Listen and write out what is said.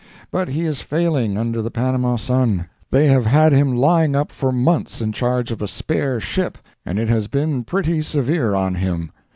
But he is failing under that Panama sun. They have had him lying up for months in charge of a spare ship, and it has been pretty severe on him.